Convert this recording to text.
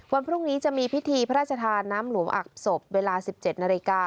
วันพรุ่งนี้จะมีพิธีพระราชทานน้ำหลวงอักศพเวลา๑๗นาฬิกา